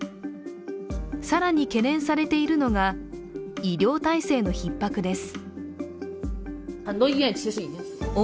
更に懸念されているのが医療体制のひっ迫です。